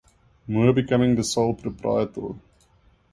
Moore becoming the sole proprietor.